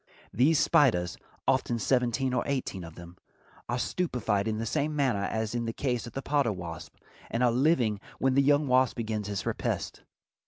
These spiders—often seventeen or eighteen of them—are stupefied in the same manner as in the case of the potter wasp, and are living when the young wasp begins his repast.